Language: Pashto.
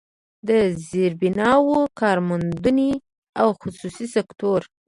د زيربناوو، کارموندنې او خصوصي سکتور